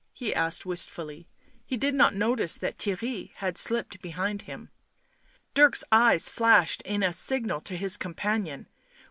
he asked wistfully; he did not notice that Theirry had slipped behind him. Dirk's eyes flashed a signal to his companion.